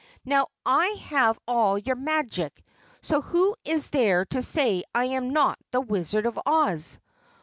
Now I have all your magic so who is there to say I am not the Wizard of Oz?